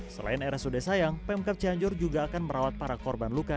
selain rsud sayang pemkap cianjur juga akan merawat para korban luka